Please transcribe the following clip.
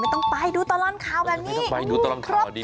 ไม่ต้องไปดูตลอดข่าวแบบนี้